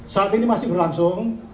saat ini masih berlangsung